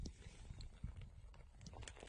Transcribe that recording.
بنسټپالو هڅې ناکامې شوې.